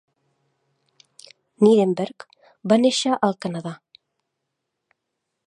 Nirenberg va néixer al Canadà.